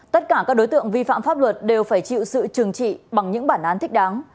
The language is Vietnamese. tất cả các đối tượng vi phạm pháp luật đều phải chịu sự trừng trị bằng những bản án thích đáng